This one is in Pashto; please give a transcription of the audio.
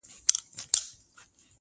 يو نه دی چي و تاته په سرو سترگو ژاړي ـ